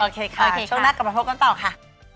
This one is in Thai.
โอเคช่วงหน้ากลับมาพบกันต่อค่ะ